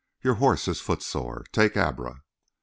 "Your horse is footsore; take Abra."